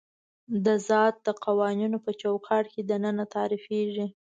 د ذات د قوانینو په چوکاټ کې دننه تعریفېږي.